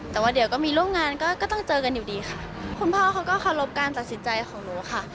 แต่ว่าเดี๋ยวก็มีร่วมงานก็ก็ต้องเจอกันอยู่ดีค่ะคุณพ่อเขาก็เคารพการตัดสินใจของหนูค่ะ